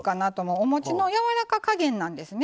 おもちのやわらか加減なんですね。